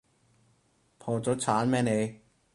破咗產咩你？